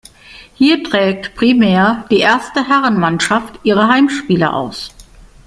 Hier trägt primär die erste Herrenmannschaft ihre Heimspiele aus.